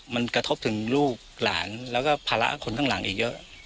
มันกระทบถึงลูกหลานแล้วก็ภาระคนข้างหลังอีกเยอะ